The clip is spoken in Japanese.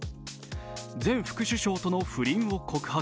前副首相との不倫を告白。